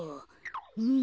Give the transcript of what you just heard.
うん。